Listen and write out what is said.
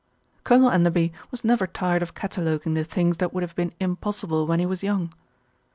Colonel Enderby was never tired of cataloguing the things that would have been impossible when he was young.